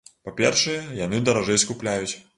Па-першае, яны даражэй скупляюць.